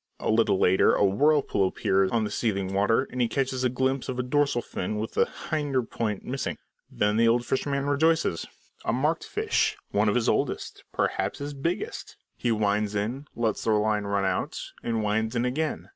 A little later a whirlpool appears on the seething water, and he catches a glimpse of a dorsal fin with the hinder point missing. Then the old fisherman rejoices. A marked fish, one of his oldest, perhaps his biggest! He winds in, lets the line run out, and winds in again.